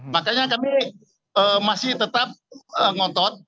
makanya kami masih tetap ngotot